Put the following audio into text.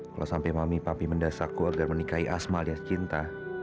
kalau sampai mami papi mendasakku agar menikahi asma alias cinta